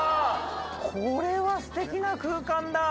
これはすてきな空間だ。